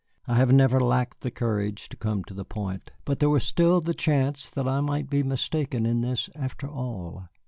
I have never lacked the courage to come to the point, but there was still the chance that I might be mistaken in this after all.